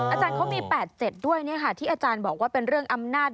อาจารย์เขามี๘๗ด้วยที่อาจารย์บอกว่าเป็นเรื่องอำนาจ